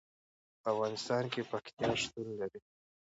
په افغانستان کې پکتیکا شتون لري.